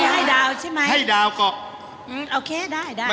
ให้๖ค่ะให้๖ค่ะ